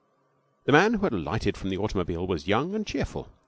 24 The man who had alighted from the automobile was young and cheerful.